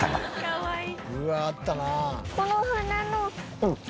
「かわいい！」